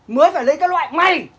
mới phải lấy cái loại mày